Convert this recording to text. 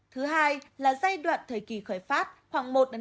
thứ hai là giai đoạn thời kỳ khởi phát khoảng một hai tuần